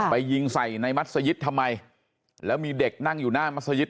ยิงใส่ในมัศยิตทำไมแล้วมีเด็กนั่งอยู่หน้ามัศยิต